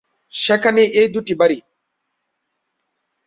সেখানেই এই দুটি বাড়ী।